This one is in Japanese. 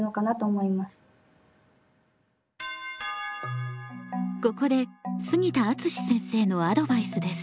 ここで杉田敦先生のアドバイスです。